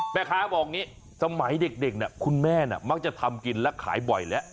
แม่ค้าบอกอย่างนี้สมัยเด็กคุณแม่น่ะมักจะทำกินและขายบ่อยแล้ว